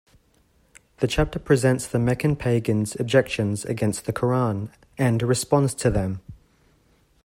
The chapter presents the Meccan pagans' objections against the Quran, and responds to them.